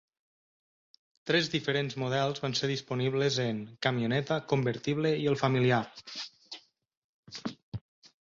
Tres diferents models van ser disponibles en: camioneta, convertible, i el familiar.